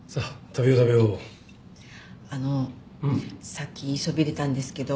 さっき言いそびれたんですけど。